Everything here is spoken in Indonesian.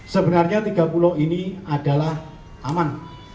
sebenarnya tiga pulau ini adalah aman